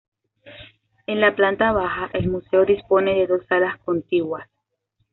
En la planta baja, el museo disponen de dos salas contiguas.